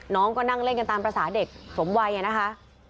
น้องก็นั่งเล่นกันตามภาษาเด็กสมวัยนะคะ